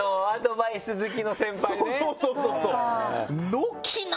そうそうそうそう！